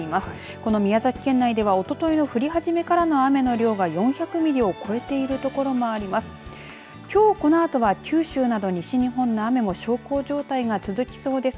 この宮崎県内では、おとといの降り始めからの雨の量が４００ミリを超えている所もあります。